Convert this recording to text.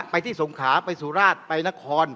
ไปที่สงขาไปสุราชไปนคร